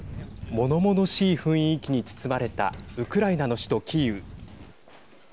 ものものしい雰囲気に包まれたウクライナの首都キーウ。